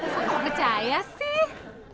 kok gak percaya sih